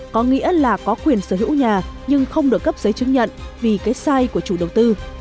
có nghĩa là có quyền sở hữu nhà nhưng không được cấp giấy chứng nhận vì cái sai của chủ đầu tư